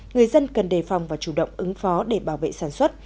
người dân cần đề phòng và chủ động ứng phó để bảo vệ sản xuất